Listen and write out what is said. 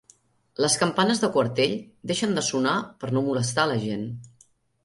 Les campanes de Quartell, deixen de sonar per no molestar a la gent.